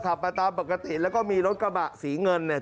ขับมาตามปกติแล้วก็มีรถกระบะสีเงินเนี่ย